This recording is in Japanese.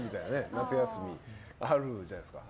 夏休み、あるじゃないですか。